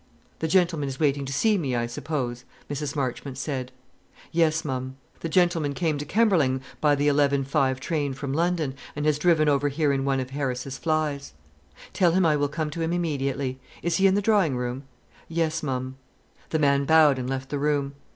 "The gentleman is waiting to see me, I suppose?" Mrs. Marchmont said. "Yes, ma'am. The gentleman came to Kemberling by the 11.5 train from London, and has driven over here in one of Harris's flys." "Tell him I will come to him immediately. Is he in the drawing room?" "Yes, ma'am." The man bowed and left the room.